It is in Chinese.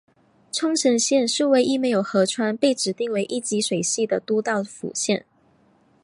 冲绳县是唯一没有河川被指定为一级水系的都道府县。